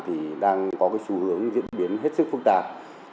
thì đang có cái xu hướng diễn biến hết sức phức tạp